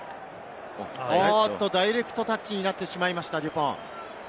ダイレクトタッチになってしまいました、デュポン。